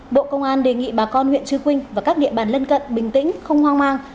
bộ công an đề nghị bà con huyện trư quynh và các địa bàn lân cận bình tĩnh không hoang mang